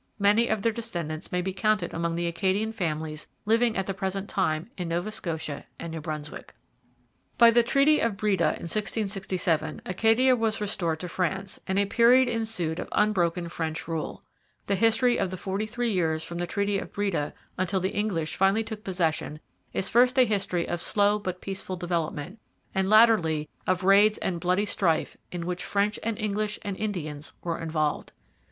Many of their descendants may be counted among the Acadian families living at the present time in Nova Scotia and New Brunswick.] at Fort St John, so far as history records, until his death in 1666. By the Treaty of Breda in 1667 Acadia was restored to France, and a period ensued of unbroken French rule. The history of the forty three years from the Treaty of Breda until the English finally took possession is first a history of slow but peaceful development, and latterly of raids and bloody strife in which French and English and Indians were involved.